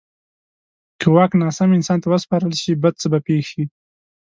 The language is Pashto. که واک ناسم انسان ته وسپارل شي، بد څه به پېښ شي.